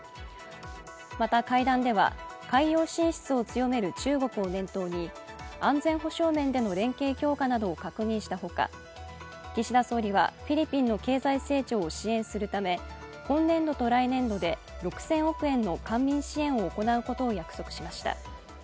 また会談では海洋進出を強める中国を念頭に安全保障面での連携強化などを確認した他、岸田総理はフィリピンの経済成長を支援するため今年度と来年度で６０００億円の官民支援を行うことを約束しました。